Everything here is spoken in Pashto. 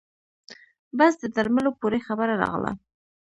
بس د درملو پورې خبره راغله.